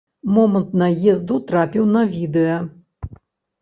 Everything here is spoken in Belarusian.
Момант наезду трапіў на відэа.